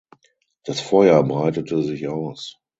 Das Feuer breitete sich aus.